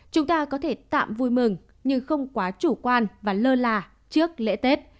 chúng ta có thể tạm vui mừng nhưng không quá chủ quan và lơ là trước lễ tết